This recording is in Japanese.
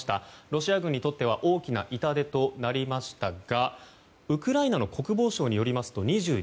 ロシア軍にとっては大きな痛手となりましたがウクライナ国防省によると２２日